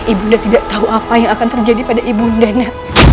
ibu nda tidak tahu apa yang akan terjadi pada ibu ndana